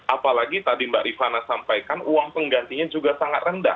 apalagi tadi mbak rifana sampaikan uang penggantinya juga sangat rendah